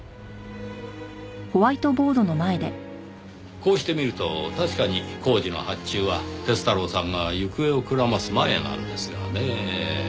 こうして見ると確かに工事の発注は鐵太郎さんが行方をくらます前なんですがねぇ。